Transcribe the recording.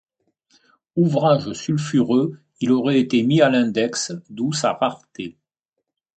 Ouvrage sulfureux il aurait été mis à l'Index d'où sa rareté.